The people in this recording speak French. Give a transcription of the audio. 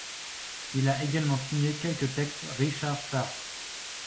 Il a également signé quelques textes Richard Starr.